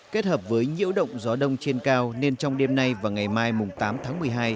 kết hợp với nhiễu động gió đông trên cao nên trong đêm nay và ngày mai tám tháng một mươi hai